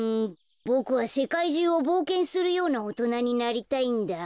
ボクはせかいじゅうをぼうけんするようなおとなになりたいんだ。